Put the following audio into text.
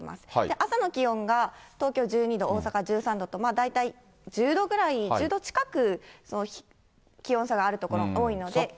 朝の気温が東京１２度、大阪１３度と、大体１０度ぐらい、１０度近く気温差がある所、多いので。